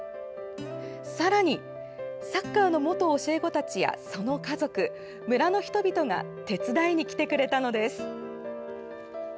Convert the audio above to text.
さらに、サッカーの元教え子たちや、その家族村の人々が手伝いに来てくれたのです。